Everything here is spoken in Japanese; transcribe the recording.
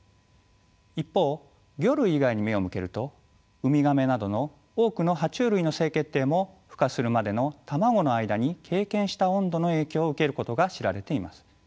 一方魚類以外に目を向けるとウミガメなどの多くの爬虫類の性決定もふ化するまでの卵の間に経験した温度の影響を受けることが知られています。